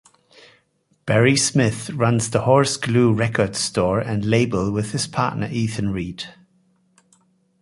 Barry Smith runs the Horseglue Records store and label with his partner Ethan Reid.